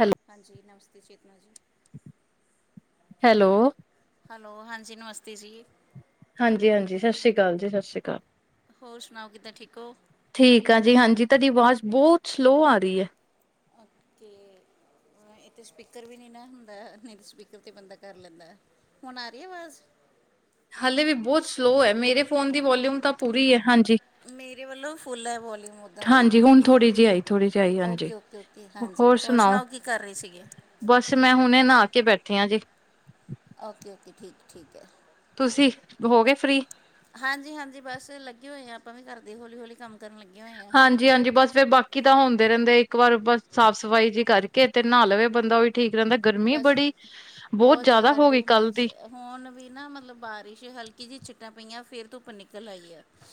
ਹੈਲ ਹਾਂਜੀ, ਨਮਸਤੇ ਚੇਤਨਾ ਜੀ। ਹੈਲੋ! ਹੈਲੋ, ਹਾਂਜੀ ਨਮਸਤੇ ਜੀ। ਹਾਂਜੀ-ਹਾਂਜੀ, ਸਤਿ ਸ੍ਰੀ ਅਕਾਲ ਜੀ, ਸਤਿ ਸ੍ਰੀ ਅਕਾਲ। ਹੋਰ ਸੁਣਾਓ, ਕਿੱਦਾਂ ਠੀਕ ਹੋ? ਠੀਕ ਆਂ ਜੀ, ਹਾਂਜੀ। ਤੁਹਾਡੀ ਆਵਾਜ਼ ਬਹੁਤ ਸਲੋਅ ਆ ਰਹੀ ਐ। ਓੱਕੇ। ਹਾਂ, ਇੱਥੇ ਸਪੀਕਰ ਵੀ ਨਹੀਂ ਨਾ ਹੁੰਦਾ, ਨਹੀਂ ਤੇ ਸਪੀਕਰ ਤੇ ਬੰਦਾ ਕਰ ਲੈਂਦਾ। ਹੁਣ ਆ ਰੀ ਏ ਆਵਾਜ਼? ਹਾਲੇ ਵੀ ਬਹੁਤ ਸਲੋਅ ਏ, ਮੇਰੇ ਫੋਨ ਦੀ ਵੌਲਿਊਮ ਤਾਂ ਪੂਰੀ ਏ, ਹਾਂਜੀ। ਮੇਰੇ ਵੱਲੋਂ ਫੁੱਲ ਐ, ਵੌਲੀਅਮ ਓਦਾਂ ਤੇ, ਹਾਂਜੀ ਹੁਣ ਥੋੜ੍ਹੀ ਜਿਹੀ ਆਈ ਥੋੜ੍ਹੀ ਜਿਹੀ ਆਈ ਹਾਂਜੀ ਓਕੇ, ਓਕੇ, ਓਕੇ, ਹਾਂਜੀ ਹੋਰ ਸੁਣਾਓ, ਕੀ ਕਰ ਰਹੇ ਸੀਗੇ? ਬਸ 'ਮੈਂ ਹੁਣੇ ਨਹਾਕੇ ਬੈਠੀ ਆਂ ਜੀ। ਓਕੇ-ਓਕੇ, ਠੀਕ- ਠੀਕ ਐ। ਤੁਸੀਂ ਹੋ ਗਏ, ਫ੍ਰੀ? ਹਾਂਜੀ-ਹਾਂਜੀ ਬਸ ਲੱਗੇ ਹੋਏ ਆਂ, ਆਪਾਂ ਵੀ ਘਰਦੇ ਹੌਲੀ-ਹੌਲੀ ਕੰਮ ਕਰਨ ਲੱਗੇ ਹੋਏ ਆ। ਹਾਂਜੀ-ਹਾਂਜੀ, ਬਸ ਫੇਰ ਬਾਕੀ ਤਾਂ ਹੁੰਦੇ ਰਹਿੰਦੇ, ਇੱਕ ਵਾਰ ਬਸ ਸਾਫ਼-ਸਫ਼ਾਈ ਜੀ ਕਰਕੇ, ਤੇ ਨਹਾ ਲਵੇ ਬੰਦਾ ਓਹੀ ਠੀਕ ਰਹਿੰਦਾ। ਗਰਮੀ ਬਸ ਬੜੀ! ਬਹੁਤ ਜਿਆਦਾ ਜ਼ਿਆਦਾ ਹੋ ਗਈ ਟੂ ਕੱਲ ਮੱਚ ਦੀ। ਹੁਣ ਵੀ ਨਾ ਮਤਲਬ, ਬਾਰਿਸ਼ ਹਲਕੀ ਜਿਹੀ ਛਿੱਟਾਂ ਪਈਆਂ, ਫੇਰ ਧੁੱਪ ਨਿਕ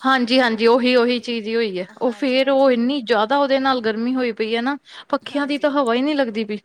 ਹਾਂਜੀ-ਹਾਂਜੀ, ਉਹੀ-ਉਹੀ ਚੀਜ਼ ਹੀ ਹੋਈ ਏ, ਉਹ ਹਾਂਜੀ ਫੇਰ ਉਹ ਹਾਂਜੀ ਇੰਨੀ ਜ਼ਿਆਦਾ ਉਹਦੇ ਨਾਲ ਗਰਮੀ ਹੋਈ ਪਈਏ ਨਾ, ਪੱਖਿਆਂ ਦੀ ਤਾਂ ਹਵਾ ਹੀ ਨੀ ਲੱਗਦੀ ਪਈ।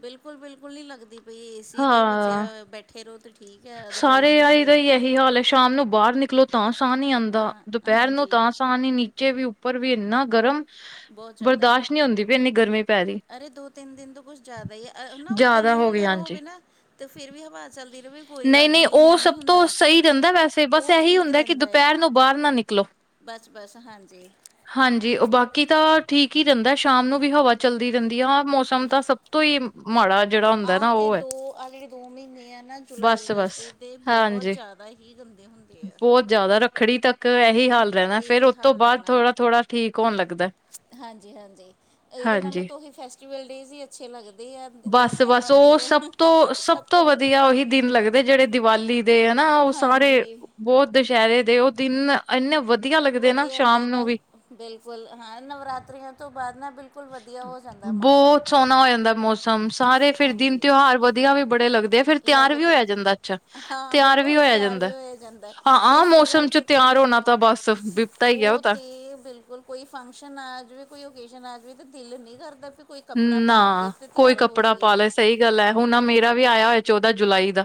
ਬਿਲਕੁਲ-ਬਿਲਕੁਲ ਨਹੀਂ ਲੱਗਦੀ ਪਈ ਏਸੀ ਦੇ ਬੱਚੇ ਹਾਂ। ਬੈਠੇ ਰਹੋ ਤਾਂ ਠੀਕ ਐ, ਅਦਰਵਾਈਜ਼ ਸਾਰੇ ਆਈ ਤੇ ਦਾ ਹੀ ਇਹੀ ਹਾਲ ਹੈ ਸ਼ਾਮ ਨੂੰ ਬਾਹਰ ਨਿਕਲੋ ਤਾਂ ਸਾਹ ਨੀ ਤਾਂ ਆਉਂਦਾ, ਦੁਪਹਿਰ ਨੂੰ ਹਾਂਜੀ ਤਾਂ ਪਾਣੀ ਨੀਚੇ ਵੀ ਉੱਪਰ ਵੀ ਇੰਨਾ ਗਰਮ, ਬਹੁਤ ਜ਼ਿਆਦਾ ਬਰਦਾਸ਼ਤ ਨਹੀਂ ਹੁੰਦੀ ਪਈ ਇੰਨੀ ਗਰਮੀ ਪੈ ਰਹੀ। ਅਰੇ ਦੋ ਤਿੰਨ ਦਿਨ ਤੋਂ ਕੁਛ ਜ਼ਿਆਦਾ ਹੀ ਆ ਨਾ, ਉੱਧਰ ਜ਼ਿਆਦਾ ਲੂ ਹੋ ਗਈ ਵਗੈਰਾ ਹਾਂਜੀ। ਹੋਵੇ ਨਾ ਤੇ ਫੇਰ ਵੀ ਹਵਾ ਚੱਲਦੀ ਰਹੇ ਕੋਈ ਗੱਲ ਨਹੀਂ ਨਹੀਂ-ਨਹੀਂ ਉਹ ਇੰਨਾ ਨਹੀਂ ਸਭ ਤੋਂ ਹੁੰਦਾ ਸਹੀ ਰਹਿੰਦਾ ਵੈਸੇ, ਬਸ ਉਹ ਐਹੀ ਠੀਕ ਹੁੰਦਾ ਕਿ, ਰਹਿੰਦਾ ਆ ਦੁਪਹਿਰ ਨੂੰ ਬਾਹਰ ਨਾ ਨਿਕਲੋ। ਬਸ- ਬਸ ਹਾਂਜੀ। ਹਾਂਜੀ ਉਹ ਬਾਕੀ ਤਾਂ ਠੀਕ ਹੀ ਰਹਿੰਦਾ, ਸ਼ਾਮ ਨੂੰ ਵੀ ਹਵਾ ਚੱਲਦੀ ਰਹਿੰਦੀ ਆ। ਮੌਸਮ ਤਾਂ ਸਭ ਤੋਂ ਹੀ ਮਾੜਾ ਜਿਹੜਾ ਹੁੰਦਾ ਆਹ ਨਾ ਤੇ ਉਹ ਹੈ। ਦੋ ਆਹ ਜਿਹੜੇ ਦੋ ਮਹੀਨੇ ਆ ਨਾ ਜੁਲਾਈ ਬਸ-ਬਸ ਅਗਸਤ ਦੇ ਬਹੁਤ ਹਾਂਜੀ ਜ਼ਿਆਦਾ ਹੀ ਗੰਦੇ ਹੁੰਦੇ ਆ। ਬਹੁਤ ਜ਼ਿਆਦਾ ਰੱਖੜੀ ਤੱਕ ਇਹੀ ਹਾਲ ਰਹਿਣਾ, ਫੇਰ ਇਹੀ ਉਹਤ ਤੋਂ ਹਾਲ ਬਾਅਦ ਰਹਿਣਾ ਥੋੜਾ- ਥੋੜਾ ਠੀਕ ਹੋਣ ਲੱਗਦਾ, ਹਾਂਜੀ- ਹਾਂਜੀ, ਇਹਦੇ ਨਾਲੋਂ ਹਾਂਜੀ ਤੁ ਹੀ ਫੈਸਟੀਵਲ ਡੇਜ਼ ਹੀ ਅੱਛੇ ਲੱਗਦੇ ਆ ਦਿਨ ਤਿਉਹਾਰ ਬਸ-ਬਸ ਆਉਂਦੇ ਉਹ ਰਹੇ। ਸਭ ਤੋਂ ਸਭ ਤੋਂ ਵਧੀਆ ਉਹੀ ਦਿਨ ਲੱਗਦਾ, ਜਿਹੜੇ ਦੀਵਾਲੀ ਦੇ ਹਨਾ ਉਹ ਸਾਰੇ ਹਾਂਜੀ ਬਹੁਤ ਦੁਸ਼ਹਿਰੇ ਤੇ ਉਹ ਦਿਨ ਇੰਨੇ ਵਧੀਆ। ਲੱਗਦੇ ਨਾ ਵਧੀਆ ਹੁੰਦੇ ਸ਼ਾਮ ਨੂੰ ਬਸ ਵੀ ਬਿਲਕੁਲ ਹਾਂ ਨਵਰਾਤਿਆਂ ਤੋਂ ਬਾਅਦ ਨਾ ਬਿਲਕੁਲ, ਵਧੀਆ ਹੋ ਜਾਂਦਾ ਮੌਸਮ ਬਹੁਤ ਸੋਹਣਾ ਹੋ, ਜਾਂਦਾ ਮੌਸਮ, ਸਾਰੇ ਫਿਰ ਦਿਨ ਹਾਂਜੀ ਤਿਉਹਾਰ ਵ, ਵਧੀਆ ਵੀ ਬੜੇ ਲੱਗਦੇ ਫਿਰ ਤਿਆਰ ਵੀ ਲੱਗਦੇ ਹੋਇਆ। ਜਾਂਦਾ ਅੱਛਾ, ਹਾਂ ਤਿਆਰ ਵੀ ਬਿਲਕੁਲ ਹੋਇਆ ਤਿਆਰ ਜਾਂਦਾ ਵੀ ਹੋਇਆ ਜਾਂਦਾ ਹਾਂ, ਆਹ ਇਸੇ ਮੌਸਮ ਚ ਕਰਕੇ ਤੇ ਤਿਆਰ ਹੋਣਾ। ਤਾਂ ਬੱਸ ਬਿਪਤਾ ਹੀ ਹੋ ਉਹ ਤਾਂ ਤੇ ਬਿਲਕੁਲ ਕੋਈ ਫੰਕਸ਼ਨ ਆ ਜਿਵੇ ਕੋਈ ਓਕੇਜਨ ਆ ਜਾਵੇ ਤਾਂ ਦਿਲ ਨਹੀ ਕਰਦਾ ਵੀ ਕੋਈ ਕੱਪੜਾ ਪਾ ਕੇ ਨਾ, ਤੇ ਕੋਈ ਤਿਆਰ ਹੋ ਕੱਪੜਾ ਪਾ ਜਾਈਏ ਲੈ, ਸਹੀ ਗੱਲ ਹੈ ਹੁਣ ਮੇਰਾ ਵੀ ਆਇਆ ਹੋਇਆ ਚੌਦਾਂ ਜੁਲਾਈ ਦਾ,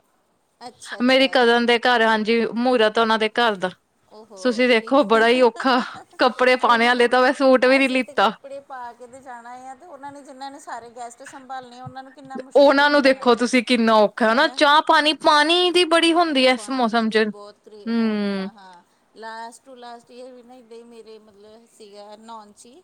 ਅੱਛਾ ਮੇਰੀ ਅੱਛਾ ਕਜ਼ਨ ਦੇ, ਘਰ ਹਾਂਜੀ ਮੂਹਰਤ ਉਹਨਾਂ ਦੇ ਘਰ ਦਾ ਉਹ ਹੋ, ਤੁਸੀਂ ਇਨੀ ਦੇਖੋ ਬੜਾ ਹੀ ਔਖਾ ਕੱਪੜੇ ਪਾਣੇ ਉਹਨਾਂ ਨੂੰ ਵਾਲੇ ਤਾਂ ਮੈਂ ਸੂਟ ਵੀ ਨੀ ਅਸੀਂ ਤੇ ਲਿੱਤਾ ਕੱਪੜੇ, ਪਾ ਕੇ ਤੇ ਜਾਣਾ ਆ ਤੇ ਉਹਨਾਂ ਨੇ ਜਿਹਨਾਂ ਨੇ ਸਾਰੇ ਗੈਸਟ ਸੰਭਾਲਣੇ ਉਹਨਾਂ ਨੂੰ, ਕਿੰਨਾ ਮੁਸ਼ਕਿਲ ਉਹਨਾਂ ਨੂੰ ਹੁੰਦਾ ਹੈ ਦੇਖੋ ਤੁਸੀਂ ਕਿੰਨਾ ਔਖਾ ਹਨਾ ਚਾਹ ਪਾਣੀ, ਪਾਣੀ ਦੀ ਬੜੀ ਹੁੰਦੀ। ਹੈ ਇਸ ਪਾਣੀ ਮੌਸਮ ਦੀ ਚ ਬਹੁਤਰੀ ਹੁੰਦਾ ਹਮ ਹਾਂ। ਲਾਸਟ ਟੂ ਲਾਸਟ ਈਅਰ ਵੀ ਨਾ ਇੱਦਾਂ ਹੀ ਮੇਰੇ ਮਤਲਬ ਸੀਗਾ ਨੋਨ ਚੀ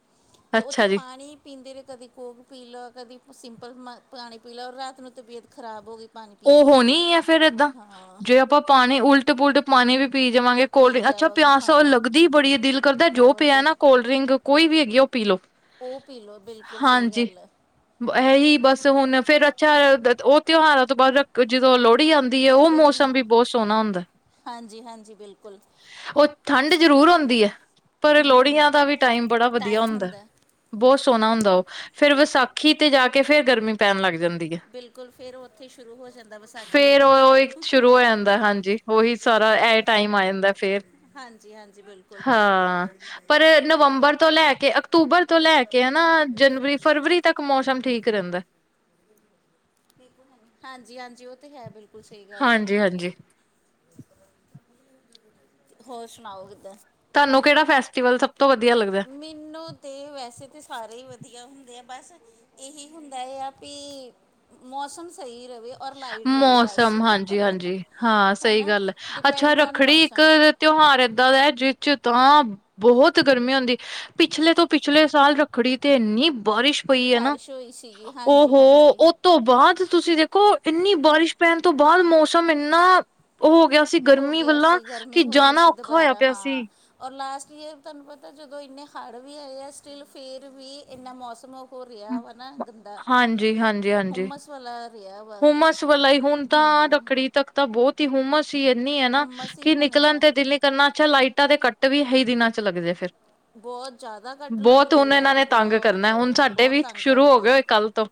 ਤੇ ਉੱਥੇ ਅੱਛਾ ਜੀ ਪਾਣੀ। ਪੀਂਦੇ ਰਹੇ ਕਦੀ ਕੋਕ ਪੀ ਲਓ, ਕਦੀ ਸਿੰਪਲ ਮ ਪਾਣੀ ਪੀ ਲਓ ਰਾਤ ਨੂੰ ਤਬੀਅਤ ਖਰਾਬ ਹੋ, ਗਈ ਪਾਣੀ ਪੀ ਉਹ ਪੀ ਹੋਣੀ ਕੇ ਹੈ ਫੇਰ ਏਦਾਂ, ਹਾਂ ਜੇ ਆਪਾਂ ਪਾਣੀ ਉਲਟ ਪੁਲਟ, ਪਾਣੀ ਵੀ ਪੀ ਜਾਵਾਂਗੇ ਕੋਲਡ, ਪੀ ਅੱਛਾ ਜਾਵਾ ਪਿਆਸ ਹਾਂ ਲੱਗਦੀ ਹੀ ਬੜੀ ਦਿਲ ਕਰਦਾ ਜੋ ਪਿਆ ਬਹੁਤ ਨਾ ਕੋਲਡ, ਰਿੰਗ ਕੋਈ ਵੀ ਹੈਗੀ ਉਹ ਪੀ ਲਓ। ਉਹ ਪੀਲੋ ਬਿਲਕੁਲ ਸਹੀ ਹਾਂਜੀ ਗੱਲ ਹੈ। ਇਹੀ ਬਸ ਹੁਣ ਫੇਰ ਅੱਛਾ ਉਹ ਤਿਉਹਾਰਾਂ ਤੋਂ ਬਾਅਦ ਜਦੋਂ ਲੋਹੜੀ ਆਉਂਦੀ। ਦੀ ਹੈ ਉਹ ਮੌਸਮ ਦੇਖਣੀ ਵੀ ਬਹੁਤ ਸੋਹਣਾ ਹੁੰਦਾ ਜੀ ਬਿਲਕੁਲ ਉਹ ਠੰਡ ਜ਼ਰੂਰ ਹੁੰਦੀ ਹੈ, ਪਰ ਹੂੰ ਹੂੰ ਲੋਹੜੀਆਂ ਦਾ ਵੀ ਟਾਈਮ ਬੜਾ ਵਧੀਆ ਹੁੰਦਾ। ਬਹੁਤ ਸੋਹਣਾ ਹੁੰਦਾ ਉਹ, ਫਿਰ ਵਿਸਾਖੀ ਤੇ ਜਾ ਕੇ ਫੇਰ ਗਰਮੀ ਪੈਣ ਲੱਗ ਜਾਂਦੀ ਹੈ। ਬਿਲਕੁਲ, ਫਿਰ ਉਹ ਉੱਥੇ ਸ਼ੁਰੂ ਹੋ ਜਾਂਦਾ ਬਸ ਫਿਰ ਉਹੀ ਸ਼ੁਰੂ ਹੋ ਜਾਂਦਾ ਹਾਂਜੀ, ਉਹੀ ਸਾਰਾ ਇਹ ਟਾਈਮ ਆ ਜਾਂਦਾ ਫੇਰ ਹਾਂਜੀ ਹਾਂਜੀ ਬਿਲਕੁਲ ਹਾਂ, ਪਰ ਨਵੰਬਰ ਤੋਂ ਲੈ ਕੇ ਅਕਤੂਬਰ ਤੋਂ ਲੈ ਕੇ ਹਨਾ, ਜਨਵਰੀ, ਫਰਵਰੀ ਤੱਕ ਮੌਸਮ ਠੀਕ ਰਹਿੰਦਾ। ਕ ਹਾਂਜੀ- ਹਾਂਜੀ ਉਹ ਤੇ ਹੈ ਬਿਲਕੁਲ ਸਹੀ ਗੱਲ ਹਾਂਜੀ ਹਾਂਜੀ ਹੋਰ ਸੁਣਾਓ ਕਿੱਦਾਂ ਤੁਹਾਨੂੰ ਕਿਹੜਾ ਫੈਸਟੀਵਲ ਸਭ ਤੋਂ ਵਧੀਆ ਲੱਗਦਾ। ਮੈਨੂੰ ਤਾਂ ਵੈਸੇ ਤਾਂ ਸਾਰੇ ਹੀ ਵਧੀਆ ਹੁੰਦੇ ਆ ਬਸ ਇਹੀ ਹੁੰਦਾ ਹੈ ਆ ਵੀ, ਮੌਸਮ ਸਹੀ ਰਹੇ ਔਰ ਲਾਈਟ ਰਹੇ ਬਸ ਮੌਸਮ ਹਾਂਜੀ- ਹਾਂਜੀ ਹਾਂ ਸਹੀ ਨਾ ਗੱਲ ਹੈ, ਅੱਛਾ ਡਿਪੈਂਡ ਔਨ ਰੱਖੜੀ ਇੱਕ ਮੌਸਮ ਤਿਉਹਾਰ ਏਦਾਂ ਦਾ ਜਿਸ ਤਾਂ ਬਹੁਤ ਗਰਮੀ ਹੁੰਦੀ ਪਿਛਲੇ ਤੋਂ ਪਿਛਲੇ ਸਾਲ ਰੱਖੜੀ ਤੇ ਇੰਨੀ ਬਾਰਿਸ਼, ਹੋਈ ਹੈ ਨਾ ਬਾਰਿਸ਼ ਹੋਈ ਸੀਗੀ ਹਾਂਜੀ ਹਾਂਜੀ ਉਹ ਤੋਂ ਬਾਅਦ ਤੁਸੀਂ ਦੇਖੋ, ਇੰਨੀ ਬਾਰਿਸ਼ ਪੈਣ ਤੋਂ ਬਾਅਦ ਮੌਸਮ ਇੰਨਾ ਹੋ ਗਿਆ। ਸੀ ਹੋ ਗਰਮੀ ਗਿਆ ਵੱਲਾਂ ਸੀ ਕਿ, ਗਰਮੀ ਹੋ ਗਈ ਜਾਣਾ ਸੀ ਔਖਾ ਹੋਇਆ ਦੁਬਾਰਾ ਪਿਆ ਸੀ। ਹਾਂ ਔਰ ਲਾਸਟ ਈਅਰ ਤੁਹਾਨੂੰ ਪਤਾ, ਜਦੋਂ ਇੰਨੇ ਹੜ੍ਹ ਵੀ ਆਏ ਆ ਸਟਿੱਲ ਫੇਰ ਵੀ ਇੰਨਾ ਮੌਸਮ ਹੋ ਰਿਹਾ ਵਾ ਨਾ ਗੁੰਦਾ ਹਾਂਜੀ-ਹਾਂਜੀ, ਹਾਂਜੀ। ਹਾਂਜੀ ਹੋਮਸ, ਚੋਲਾ ਰਿਹਾ ਵਾ ਹੁਮਸ ਵਾਲਾ ਹੀ ਹੁਣ ਤਾਂ ਹੂੰ। ਰੱਖੜੀ ਤੱਕ ਤਾਂ ਬਹੁਤ ਹੀ ਹੁਮਸ ਸੀ ਇੰਨੀ ਹੈ, ਨਾ ਹੁੰਮਸ ਹੀ ਕਿ ਹੋਣੀ ਨਿਕਲਣ ਆ। ਤੇ ਦਿਲ। ਕਰਨਾ ਅੱਛਾ ਲਾਈਟਾਂ ਦੇ ਕੱਟ ਵੀ, ਇਹੀ ਦਿਨਾਂ ਚ ਲੱਗਦੇ ਫਿਰ। ਬਹੁਤ ਜ਼ਿਆਦਾ ਕੱਟ ਬਹੁਤ ਲੱਗਦੇ ਹੁਣ ਇਹਨਾਂ ਯਾਰ ਨੇ ਤੰਗ ਬਹੁਤ ਕਰਨਾ, ਹੁਣ ਸਾਡੇ ਬਹੁਤ ਵੀ ਤੰਗ ਸ਼ੁਰੂ ਹੋ ਕਰਦੇ ਗਏ ਆ। ਹੋਏ ਕੱਲ੍ਹ ਤੋਂ।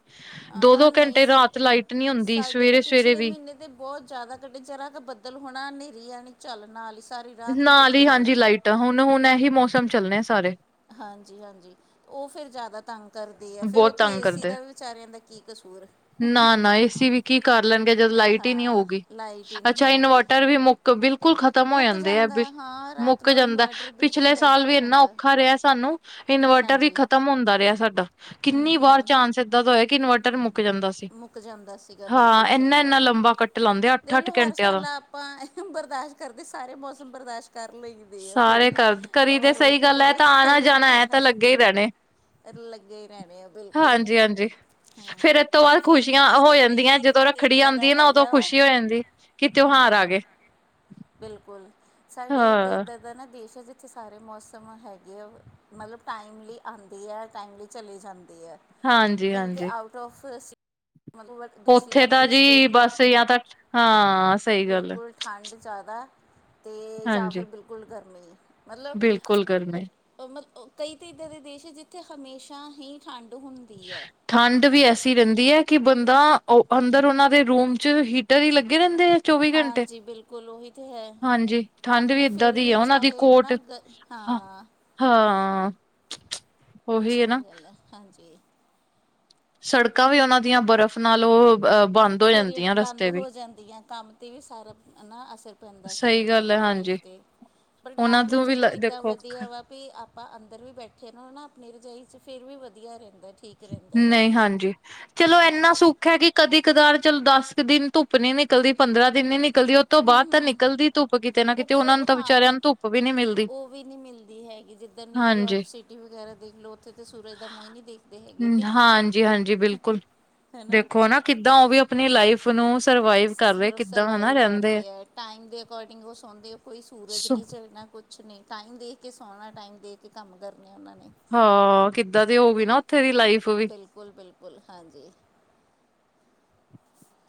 ਦੋ ਆਹਾਂ ਦੋ ਨਹੀਂ ਘੰਟੇ ਰਾਤ ਲਾਈਟ ਨਹੀਂ ਹੁੰਦੀ ਸਵੇਰੇ ਸਵੇਰੇ ਵੀ। ਨੇ ਤੇ ਬਹੁਤ ਜ਼ਿਆਦਾ ਕਟ ਚਾਰ ਬੱਦਲ ਹੋਣਾ, ਹਨੇਰੀ ਆਣੀ ਝੱਲ ਨਾਲ। ਸਾਰੀ ਰਾਤ ਨੀ ਬੱਤੀ ਆਨੀ। ਤਾਂ ਹੁਣ, ਹੁਣ ਇਹੀ ਮੌਸਮ ਚੱਲਣੇ ਸਾਰੇ। ਹਾਂਜੀ-ਹਾਂਜੀ ਉਹ ਫਿਰ ਜ਼ਿਆਦਾ ਤੰਗ। ਕਰਦੇ ਆ, ਫਿਰ ਬਹੁਤ ਉੱਥੇ ਤੰਗ ਏਸੀ ਕਰਦੇ ਦਾ ਵੀ ਵਿਚਾਰਿਆਂ ਦਾ ਕੀ ਕਸੂਰ। ਨਾ ਨਾ ਏਸੀ ਵੀ ਕੀ ਕਰ ਲੈਣਗੇ, ਜਦ ਲਾਈਟ ਹੀ ਨਹੀਂ ਹਾਂ ਹੋਊਗੀ ਲਾਈਟ ਹੀ ਨਹੀਂ ਅੱਛਾ ਹੋਊਗੀ। ਇਨਵਰਟਰ ਵੀ ਮੁੱਕ ਬਿਲਕੁਲ ਖਤ। ਖਤਮ ਹੋ ਮੁੱਕ ਜਾਂਦੇ ਆ ਜਾਂਦਾ ਹਾਂ ਰਾਤ ਮੁੱਕ ਨੂੰ ਜਾਂਦਾ, ਇਨਵਰਟਰ ਪਿਛਲੇ ਬਿਲਕੁਲ ਡੈੱਡ ਸਾਲ ਹੋ ਵੀ ਇੰਨਾ ਜਾਂਦਾ। ਔਖਾ ਰਿਹਾ ਸਾਨੂੰ। ਇਨਵਰਟਰ ਵੀ ਹਾਂਜੀ ਖਤਮ ਹੁੰਦਾ ਰਿਹਾ, ਸਾਡਾ ਹੂੰ ਕਿੰਨੀ ਵਾਰ ਹੂੰ ਚ। ਐਦਾ ਹੋਇਆ ਕਿ ਇਨਵਰਟਰ ਮੁੱਕ ਜਾਂਦਾ ਸੀ। ਮੁੱਕ ਜਾਂਦਾ ਸੀਗਾ ਹਾਂ ਬਿਲਕੁਲ ਸਹੀ ਇੰਨਾ, ਇੰਨਾ ਗੱਲ ਆ। ਲੰਬਾ ਕੱਟ ਲਾਉਂਦੇ ਆ ਦੇਖ ਅੱਠ-ਅੱਠ ਲਓ ਹਰ ਘੰਟਿਆਂ ਦਾ। ਸਾਲ ਆਪਾਂ ਬਰਦਾਸ਼ਤ ਕਰਦੇ ਸਾਰੇ ਮੌਸਮ ਬਰਦਾਸ਼ਤ ਕਰ ਲਈ। ਸਾਰੇ ਕਰ ਕਰੀ ਤੇ ਸਹੀ ਗੱਲ ਹੈ, ਤਾਂ ਆਣਾ ਚਲੋ ਜਾਣਾ ਐ ਚਾਹੇ ਤਾਂ ਹੱਸ ਲੱਗੇ ਹੀ ਕੇ ਰਹਿਣੇ। ਲੱਗੇ ਹੀ ਰਹਿਣੇ ਆ ਬਿਲਕੁਲ ਹਾਂਜੀ-ਹਾਂਜੀ ਹਾਂ ਫਿਰ। ਤੋਂ ਪਰ ਬਾਅਦ ਫਿਰ ਵੀ ਖੁਸ਼ੀਆਂ ਨਾ ਹੋ ਸਾਡਾ ਹੀ ਜਾਂਦੀਆਂ, ਸਿਰਫ ਜਦੋਂ ਇੱਕ ਰੱਖੜੀ ਇੱਦਾਂ ਆਉਂਦੀ ਦਾ ਹੈ ਨਾ ਉਦੋਂ ਹੈਗਾ ਵਾ ਖੁਸ਼ੀ ਹੋ ਜਾਂਦੀ ਕਿ ਤਿਉਹਾਰ ਆ ਹਾਂ ਗਏ। [inaudible] ਬਿਲਕੁਲ ਸਾਡੇ ਇੱਕ ਹਾਂ ਇੱਦਾਂ ਦਾ ਨਾ ਦੇਸ਼ ਹੈ ਜੀ। ਇੱਥੇ ਸਾਰੇ ਮੌਸਮ ਹੈਗੇ, ਆ ਮਤਲਬ ਟਾਈਮ ਲਈ ਆਉਂਦੀ ਹੈ, ਟਾਈਮ ਲਈ ਚਲੀ ਜਾਂਦੀ ਹੈ। ਹਾਂਜੀ ਨਹੀਂ ਤਾਂ ਹਾਂਜੀ ਆਊਟ ਆਫ। ਮਤਲ ਦੂਸਰੀ ਉੱਥੇ ਤਾਂ ਕੰੰਟਰੀਜ਼ ਜੀ ਦੇਖ ਲਓ, ਬਸ ਜਾਂ ਤਾਂ ਹਾਂ ਸਹੀ ਗੱਲ ਹੈ ਬਿਲਕੁਲ। ਠੰਡ ਜ਼ਿਆਦਾ ਅਤੇ ਜਾਂ ਫਿਰ ਹਾਂਜੀ ਬਿਲਕੁਲ, ਗਰਮੀ ਬਿਲਕੁਲ ਗਰਮੀ ਮਤਲਬ। ਮਤਲ ਕਈ ਤਾਂ ਇੱਦਾਂ ਦੇ ਦੇਸ਼ ਆ ਜਿੱਥੇ, ਹਮੇਸ਼ਾ ਹੀ ਠੰਡ ਹੁੰਦੀ ਆ। ਠੰਡ ਵੀ ਐਸੀ ਰਹਿੰਦੀ ਹੈ, ਕਿ ਬੰਦਾ ਅੰਦਰ ਉਹਨਾਂ ਦੇ ਰੂਮ ਚ ਹੀਟਰ ਹੀ ਲੱਗੇ ਰਹਿੰਦੇ ਹੈ। ਹਾਂਜੀ, ਬਿਲਕੁਲ ਉਹੀ ਤਾਂ ਹੈ, ਹਾਂਜੀ ਠੰਡ ਆਪਣੇ ਏਦਾਂ ਫਿਰ ਦੀ ਵੀ ਆ ਉਹਨਾਂ ਦੀ ਚਾਹੇ ਕੋਟ ਨਾ ਗ। ਹਾਂ। ਹਾਂ। ਉਹੀ ਸਹੀ ਨਾ ਗੱਲ ਹੈ, ਹਾਂਜੀ। ਸੜਕਾਂ ਵੀ, ਉਹਨਾਂ ਦੀਆਂ ਬਰਫ਼ ਨਾਲ ਉਹ। ਅ ਬੰਦ ਹੋ ਪੂਰੀਆਂ ਜਾਂਦੀਆਂ ਬੰਦ ਰਸਤੇ ਵੀ ਹੋ ਜਾਂਦੀਆਂ, ਕੰਮ ਤੇ ਵੀ ਸਾਰਾ ਨਾ ਅਸਰ ਪੈਂਦਾ ਫਿਰ ਸਹੀ ਉਹਨਾਂ ਗੱਲ ਹੈ ਦੀ ਲਾਈਫ। ਹਾਂਜੀ ਤੇ ਬਟ ਉਹਨਾਂ ਆਪ ਨੇ ਨੂੰ ਵੀ ਚਲੋ ਏਦਾਂ ਦੇਖੋ ਵਧੀਆ ਵਾ। ਵੀ ਆਪਾਂ ਅੰਦਰ ਵੀ ਬੈਠੇ ਨੂੰ ਨਾ ਆਪਣੀ ਰਜਾਈ 'ਚ ਫਿਰ ਵੀ ਵਧੀਆ ਰਹਿੰਦਾ ਜੀ। ਨਹੀਂ ਹਾਂਜੀ, ਚਲੋ ਇੰਨਾ ਹਾਂਜੀ ਸ ਕਿ ਕਦੀ ਕਦਾਰ ਚਲੋ ਦਸ ਕੁ ਦਿਨ ਧੁੱਪ ਨੀ ਨਿਕਲਦੀ, ਪੰਦਰਾਂ ਦਿਨ ਨੀ ਨਿਕਲਦੀ। ਤੋਂ ਬਾਅਦ ਤਾਂ ਨਿਕਲਦੀ ਧੁੱਪ ਕਿਤੇ ਨਾ ਕਿਤੇ, ਉਹਨਾਂ ਨੂੰ ਉੱਪਰੋਂ ਤਾਂ ਹਾਂ ਵਿਚਾਰਿਆਂ ਉਸ ਨੂੰ ਧੁੱਪ ਵੀ ਨੀ ਮਿਲਦੀ। ਉਹ ਵੀ ਨਹੀਂ ਮਿਲਦੀ ਹੈਗੀ ਜਿੱਦਾਂ ਹਾਂਜੀ, ਨਿਊਯੋਰਕ ਸਿਟੀ ਵਗੈਰਾ ਦੇਖ ਲਓ, ਉੱਥੇ ਤਾਂ ਸੂਰਜ ਦਾ ਮੂੰਹ ਨਹੀਂ ਦਿਖ। ਹਾਂਜੀ-ਹਾਂਜੀ ਬਿਲਕੁਲ ਹੈਨਾ ਦੇਖੋ ਨਾ ਕਿੱਦਾਂ ਉਹ ਵੀ। ਆਪਣੀ ਲਾਈਫ ਨੂੰ ਸਰਵਾਈਵ ਕਰ ਰਹੇ ਕਿੱਦਾਂ ਹਨਾ ਸਰਵਾਈਵ ਰਹਿੰਦੇ ਆ। ਕਰਦੇ ਹੈ, ਟਾਈਮ ਦੇ ਅਕੋਡਿੰਗ ਉਹ ਸੌਂਦੇ। ਕੋਈ ਸੂਰਜ ਸੋ ਨਹੀਂ ਝੱਲਣਾ ਕੁਛ ਨਹੀਂ ਟਾਈਮ ਦੇ ਕੇ ਸੌਣਾ, ਟਾਈਮ ਦੇ ਕੇ ਕੰਮ ਕਰਨੇ ਉਹਨਾਂ ਨੇ। ਹਾਂ ਕਿੱਦਾਂ ਦੇ ਹੋ ਵੀ ਨਾ। ਉੱਥੇ ਦੀ ਲਾਈਫ ਵੀ। ਬਿਲਕੁਲ ਬਿਲਕੁਲ ਹਾਂਜੀ।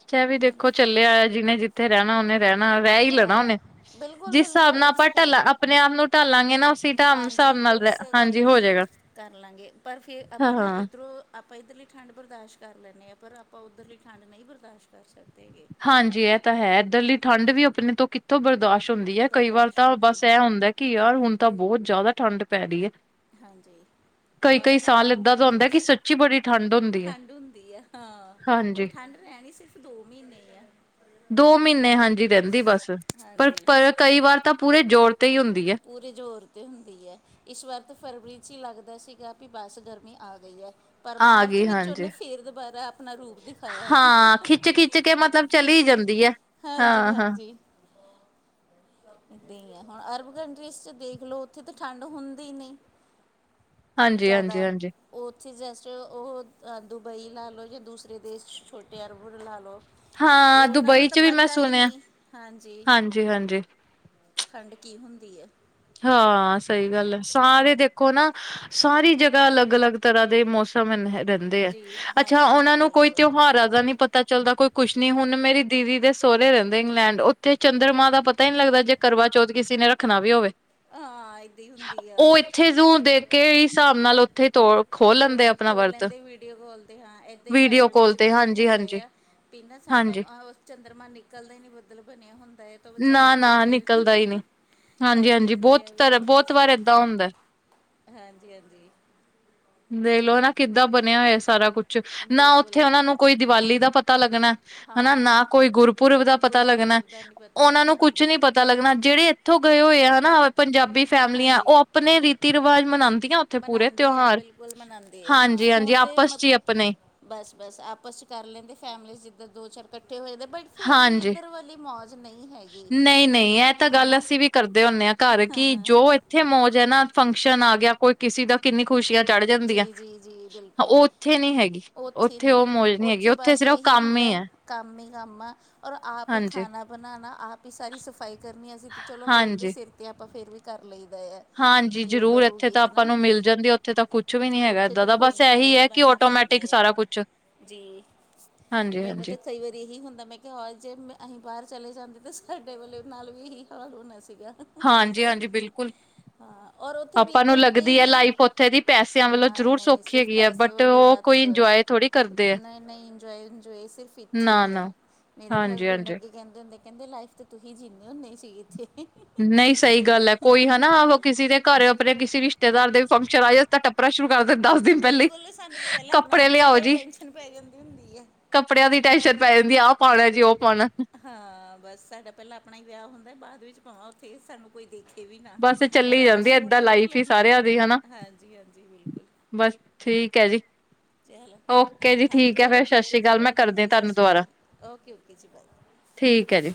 ਚਾਹ ਵੀ ਦੇਖੋ ਬਾਕੀ ਚੱਲਿਐ ਜਿਹਨੇ ਜਿੱਥੇ ਰਹਿਣਾ ਉਹਨੇ। ਰਹਿਣਾ ਰਹਿ ਹੀ ਲੈਣਾ ਉਹਨੇ ਰਹਿਣਾ ਬਿਲਕੁਲ ਜਿਸ ਬਿਲਕੁਲ ਹਿਸਾਬ ਨਾਲ ਉਹ ਆਪਾਂ ਤਾਂ ਢਲਾਂ ਹੈ ਆਪਣੇ ਆਪ ਨੂੰ ਢਾਲਾਂਗੇ ਨਾ। ਢ ਹਾਂਜੀ ਹਿਸਾਬ ਨਾਲ ਉਸ ਹਾਂਜੀ ਅਕੋਰਡਿੰਗ ਹੋ ਹੀ ਜਾਏਗਾ ਕਰ ਲਾਂਗੇ ਪਰ ਫੇਰ ਆਪਾਂ ਨਾ ਹਾਂ। ਇੱਧਰੋਂ। ਆਪਾਂ ਇੱਧਰ ਲਈ ਠੰਡ ਬਰਦਾਸ਼ ਕਰ ਲੈਂਦੇ ਹਾਂ, ਪਰ ਆਪਾਂ ਉੱਧਰਲੀ ਠੰਡ ਨਹੀਂ ਬਰਦਾਸ਼ਤ ਕਰ ਸਕਦੇ ਹੇਗੇ। ਹਾਂਜੀ ਇਹ ਤਾਂ ਹੈ, ਇੱਧਰ ਦੀ ਠੰਡ ਵੀ ਆਪਣੇ ਤੋਂ ਕਿੱਥੋਂ ਬਰਦਾਸ਼ ਹੁੰਦੀ ਹੈ, ਕਈ ਵਾਰ ਬਰਦਾਸ਼ਤ ਤਾਂ ਹੋ ਨਹੀਂ ਬਸ ਇਹ ਹੁੰਦਾ। ਕਿ ਯਾਰ ਹੁਣ ਤਾਂ ਬਹੁਤ ਜ਼ਿਆਦਾ ਠੰਢ ਪੈ ਰਹੀ ਐ। ਹਾਂਜੀ ਔਰ ਅਰਬ ਏਦਾਂ ਦਾ ਕੰਟਰੀ ਹੁੰਦਾ ਕਿ ਚ ਸੱਚੀ ਬੜੀ ਠੰਢ ਹੁੰਦੀ ਹੈ ਠੰਡ ਹੁੰਦੀ ਹੈ ਹਾਂ ਹਾਂਜੀ ਠੰਡ ਹੈ ਰਹਿਣੀ ਸਿਰਫ ਦੋ ਮਹੀਨੇ ਐ ਦੋ ਮਹੀਨੇ ਹਾਂਜੀ ਰਹਿੰਦੀ ਬਸ ਹਾਂਜੀ ਪਰ-ਪਰ ਕਈ ਵਾਰ ਤਾਂ ਪੂਰੇ ਜੋਰ ਤੇ ਹੀ ਹੁੰਦੀ ਹੈ ਪੂਰੇ ਜ਼ੋਰ ਤੇ ਹੁੰਦੀ ਹੈ ਇਸ ਵਾਰ ਤੇ ਫਰਵਰੀ ਹੀ ਲੱਗਦਾ ਸੀਗਾ ਕਿ ਬਸ ਗਰਮੀ ਆ ਗਈ ਐ- ਪਰ ਆ ਮਾਰਚ ਗਈ ਵਿੱਚ ਉਹਨੇ ਹਾਂਜੀ ਫੇਰ ਦੁਬਾਰਾ ਆਪਣਾ ਰੂਪ ਦਿਖਾਇਆ ਹਾਂ ਖਿੱਚ ਖਿੱਚ ਕੇ ਮਤਲਬ ਚਲੀ ਜਾਂਦੀ ਹੈ ਹਾਂ ਹਾਂ ਹਾਂਜੀ-ਹਾਂਜੀ ਦ ਹੀ ਹੈ ਹੁਣ ਅਰਬ ਕੰਟਰੀਜ਼ ਦੇਖ ਲਓ ਉੱਥੇ ਤਾਂ ਠੰਡ ਹੁੰਦੀ ਨਹੀਂ ਹਾਂਜੀ ਹਾਂਜੀ ਜ਼ਿਆਦਾ ਹਾਂਜੀ ਉੱਥੇ ਜਸਟ ਉਹ ਦੁਬਈ ਲਾ ਲਉ ਜਾਂ ਦੂਸਰੇ ਦੇਸ਼ ਚ ਛੋਟੇ ਅਰਬਨ ਲਾ ਲਓ ਹਾਂ ਉਹਨਾਂ ਨੂੰ ਦੁਬਈ ਤਾਂ ਚ ਵੀ ਮੈਂ ਪਤਾ ਹੀ ਸੁਣਿਆ ਨਹੀਂ ਹਾਂਜੀ ਠੰਡ ਕੀ ਹੁੰਦੀ ਹੈ ਹਾਂ ਸਹੀ ਗੱਲ ਐ ਸਾਰੇ ਦੇਖੋ ਨਾ ਸਾਰੀ ਜਗ੍ਹਾ ਅਲੱਗ-ਅਲੱਗ ਤਰ੍ਹਾਂ ਦੇ ਮੌਸਮ ਹੁੰਦੇ ਐ ਜੀ ਅੱਛਾ ਹਾਂਜੀ ਉਹਨਾ ਹਾਂਜੀ ਨੂੰ ਕੋਈ ਬਿਲਕੁਲ ਤਿਉਹਾਰਾਂ ਦਾ ਨੀ ਪਤਾ ਪਤਾ ਚੱਲਦਾ ਕੋਈ ਕੁਛ ਨੀ ਹੁਣ ਮੇਰੀ ਦੀਦੀ ਦੇ ਸਹੁਰੇ ਰਹਿੰਦੇ ਇੰਗਲੈਂਡ ਉ ਤੇ ਚੰਦਰਮਾਂ ਦਾ ਪਤਾ ਹੀ ਨੀ ਲੱਗਦਾ ਜੇ ਕਰਵਾ ਚੌਥ ਕਿਸੇ ਨੇ ਰੱਖਣਾ ਵੀ ਹੋਵੇ ਹਾਂ ਹੀ ਹੁੰਦੀ ਆ ਉਹ ਇੱਥੇ ਜੋ ਦੇ ਕੇ ਹਿਸਾਬ ਨਾਲ ਉੱਥੇ ਤੋੜੋ ਤੋ ਖੋਲ ਲੈਂਦੇ ਵੀਡੀਓ ਕਾਲ ਤੇ ਹਾਂ ਏਦਾਂ ਹੀ ਵੀਡੀਓ ਕੈਨੇਡਾ ਕਾਲ ਚ ਵੀ ਤੇ ਇਦਾਂ ਹੀ ਹੁੰਦਾ ਹਾਂਜੀ-ਹਾਂਜੀ, ਆ ਪੀਨਾ ਸਮ ਹਾਂਜੀ ਟਾਈਮ ਚੰਦਰਮਾ ਨਿਕਲਦਾ ਹੀ ਨੀ ਬੱਦਲ ਬਣਿਆ ਹੁੰਦਾ ਤਾਂ ਬੇਚਾਰੇ ਏਦਾਂ ਹੀ ਨਾ-ਨਾ ਫਿਰ ਨਿਕਲਦਾ ਹੀ ਨਹੀਂ। ਕਰ ਹਾਂਜੀ-ਹਾਂਜੀ ਲੈਂਦੇ ਬਹੁਤ ਆ ਤਰ ਵੀਡੀਓ ਬਹੁਤ ਕਾਲਸ ਵਾਰ ਤੇ ਏਦਾਂ ਹੁੰਦੈ ਹਾਂਜੀ ਹਾਂਜੀ ਦੇਖ ਲੋ ਹਨਾ ਕਿੱਦਾਂ ਬਣਿਆ ਹੋਇਆ ਸਾਰਾ ਕੁਛ ਨਾ ਬਿਲਕੁਲ ਉੱਥੇ ਉਹਨਾਂ ਨੂੰ ਕੋਈ ਦੀਵਾਲੀ ਦਾ ਪਤਾ ਲੱਗਣੈ ਹਨਾ ਹਾਂ ਨਾ ਕੋਈ ਗੁਰਪੁਰਬ ਦਾ ਪਤਾ ਲੱਗਣੈ ਗੁਰਪੁਰਬ ਦਾ ਨਹੀਂ ਪਤਾ ਹਾਂਜੀ ਪਤਾ ਲੱਗਣੈ ਜਿਹੜੇ ਇੱਥੋਂ ਗਏ ਹੋਏ ਆ ਹਨਾ ਪੰਜਾਬੀ ਫੈਮਲੀਆਂ ਉਹ ਆਪਣੇ ਰੀਤੀ ਰਿਵਾਜ ਮਨਾਂਦੀਆਂ ਮਨਾਂਦੇ ਐ ਬਿਲਕੁਲ ਮਨਾਂਦੇ ਐ ਹਾਂ ਹਾਂਜੀ ਹਾਂਜੀ ਹੁਣ ਤੇ ਆਪਸ ਚ ਹੀ ਮਤਲਬ ਆਪਣੇ ਬਸ-ਬਸ ਆਪਸ ਚ ਕਰ ਲੈਂਦੇ ਫੈਮਲੀਜ਼ ਜਿੱਦਾ ਦੋ ਚਾਰ ਇਕੱਠੇ ਹੋਏ ਤੇ ਬਟ ਫੇਰ ਵੀ ਇੱਧਰ ਵਾਲੀ ਮੌਜ ਨਹੀਂ ਹੈਗੀ ਨਹੀਂ-ਨਹੀਂ ਇਹ ਤਾਂ ਗੱਲ ਹਨਾ ਅਸੀਂ ਵੀ ਕਰਦੇ ਹੁੰਨੇ ਹਾਂ ਘਰ ਕਿ ਹਾਂ ਜੋ ਇੱਥੇ ਮੌਜ ਹੈ ਨਾ ਫੰਕਸ਼ਨ ਆ ਗਿਆ ਕੋਈ ਕਿਸੇ ਦਾ ਕਿੰਨੀ ਖੁਸ਼ੀਆਂ ਚੜ ਜੀ ਜਾਂਦੀਐ ਜੀ ਜੀ ਬਿਲਕੁਲ ਉਹ ਉੱਥੇ ਨਹੀਂ ਹੈਗੀ ਉੱਥੇ ਨਹੀਂ ਉਹ ਮੌਜ ਨਹੀ ਹੈਗੀ ਤਾਂ ਉੱਥੇ ਬਸ ਸਿਰਫ ਇਹੀ ਕੰਮ ਹੀ ਹੁੰਦਾ ਹੈ ਕੰਮ ਹੀ ਕੰਮ ਆ ਔਰ ਆਪ ਹੀ ਹਾਂਜੀ ਖਾਣਾ ਬਣਾਣਾ ਆਪ ਹੀ ਸਾਰੀ ਸਫਾਈ ਕਰਨੀ ਅਸੀਂ ਤੇ ਚਲੋ ਮੇਡ ਦੇ ਹਾਂਜੀ। ਸਿਰ ਤੇ ਆਪਾਂ ਫੇਰ ਵੀ ਕਰ ਲਈਦਾ ਆ ਹਾਂਜੀ ਵੀ ਉਹ ਜ਼ਰੂਰ ਇੱਥੇ ਕਰੂਗੀ ਤਾਂ ਹੈ ਆਪਾਂ ਨਾ ਨੂੰ ਮਿਲ ਜਾਂਦੀ ਇੱਥੇ ਤਾਂ ਕੁੱਛ ਵੀ ਨੀ ਹੈਗਾ ਉੱਥੇ ਤਾਂ ਇੱਦਾਂ ਦਾ ਬਸ ਖੁਦ ਹੀ ਇਹੀ ਮੇਡ ਹੈ ਕਿ ਬਣਨਾ ਪੈਂਦਾ ਆਟੋਮੈਟਿਕ ਆ ਸਾਰਾ ਕੁਛ ਜੀ ਤੇ ਮੈਨੂੰ ਹਾਂਜੀ-ਹਾਂਜੀ, ਤਾਂ ਕਈ ਵਾਰੀ ਇਹੀ ਹੁੰਦਾ ਮੈਂ ਕਿਹਾ ਹੌ ਜੇ ਮੈਂ ਅਸੀਂ ਬਾਹਰ ਚਲੇ ਜਾਂਦੇ ਤਾਂ ਸਾਡੇ ਵੱਲੇ ਨਾਲ ਵੀ ਇਹੀ ਹਾਲ ਹੋਣਾ ਸੀਗਾ ਹਾਂਜੀ-ਹਾਂਜੀ ਬਿਲਕੁਲ। ਹਾਂ ਔਰ ਉੱਥੇ ਆਪਾਂ ਨੂੰ ਵੀਕੇਂਡ ਤੇ ਲੱਗਦੀ ਹੈ ਹੀ ਲਾਈਫ ਉੱਥੇ ਦੀ ਪੈਸਿਆਂ ਵੱਲੋਂ ਜ਼ਰੂਰ ਨਹੀਂ-ਨਹੀਂ ਸੌਖੀ ਸਿਰਫ਼ ਹੈਗੀ ਹੈ ਪੈਸੇ ਬਟ ਵੱਲੋਂ ਹੀ ਉਹ ਕੋਈ ਬਸ ਇੰਜੋਏ ਥੋੜ੍ਹੀ ਕਰਦੇ ਆ ਨਹੀਂ-ਨਹੀਂ ਇੰਜੋਏ-ਇੰਜੋਏ ਸਿਰਫ ਇੱਥੇ ਹੀ ਆ ਨਾ-ਨਾ ਮੇਰੇ ਤਾਂ ਹਸਬੈਂਡ ਹਾਂਜੀ-ਹਾਂਜੀ। ਅੱਗੇ ਕਹਿੰਦੇੁ ਹੁਦੇ ਕਹਿੰਦੇ ਲਾਈਫ ਤੇ ਤੁਸੀਂ ਜਿੰਦੇ ਹੁੰਦੇ ਸੀ ਇੱਥੇ ਨਹੀਂ ਸਹੀ ਗੱਲ ਹੈ ਕੋਈ ਹਨਾ ਕਿਸੇ ਦੇ ਘਰ ਆਪਣੇ ਕਿਸੇ ਰਿਸ਼ਤੇਦਾਰ ਦੇ ਵੀ ਫੰਕਸ਼ਨ ਆਏ ਤਾਂ ਟੱਪਰਾ ਸ਼ੁਰੂ ਵਿਆਹ ਦੇ ਦਸ ਦਿਨ ਪਹਿਲੇ ਬਿਲਕੁਲ ਸਾਨੂੰ ਤਾਂ ਪਹਿਲਾਂ ਆਪਣੇ ਕੱਪੜੇ ਕੱਪੜਿਆਂ ਲਿਆਓ ਦਾ ਹੀ ਜੀ ਟੈਨਸ਼ਨ ਪੈ ਜਾਂਦੀ ਹੁੰਦੀ ਹੈ ਕੱਪੜਿਆਂ ਦੀ ਟੈਨਸ਼ਨ ਪੈ ਜਾਂਦੀ ਆਹ ਪਾਉਣਾ ਜੀ ਉਹ ਪਾਉਣਾ ਹਾਂ ਬਸ ਸਾਡਾ ਪਹਿਲਾਂ ਆਪਣਾ ਹੀ ਵਿਆਹ ਹੁੰਦਾ ਬਾਅਦ ਵਿੱਚ ਪਾਵਾਂ ਫ਼ੇਰ ਸਾਨੂੰ ਕੋਈ ਦੇਖੇ ਵੀ ਨਾ ਬਸ ਪਰ ਚੱਲੀ ਆਪਾਂ ਜਾਂਦੀ ਸੂੱਟ ਏਦਾਂ ਜ਼ਰੂਰ ਲਾਈਫ ਹੀ ਲੈਣ ਆ ਸਾਰਿਆਂ ਹਾਂ ਹਾਂਜੀ ਹਾਂਜੀ ਬਿਲਕੁੱਲ ਬੱਸ ਠੀਕ ਹੈ ਜੀ ਓਕੇ ਜੀ ਹਾਂਜੀ ਠੀਕ ਹੈ ਚਲੋ ਫਿਰ ਸਤਿ ਠੀਕ ਹੈ ਸ੍ਰੀ ਅਕਾਲ ਜੀ ਮੈਂ ਓਕੇ ਕਰਦੀ ਜੀ ਸਤਿ ਤੁਹਾਨੂੰ ਸ਼੍ਰੀ ਦੁਬਾਰਾ ਅਕਾਲ ਓਕੇ ਓਕੇ ਜੀ ਬਾਏ ਠੀਕ ਹੈ ਜੀ